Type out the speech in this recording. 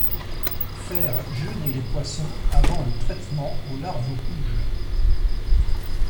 Faire jeûner les poissons avant le traitement aux larves rouges.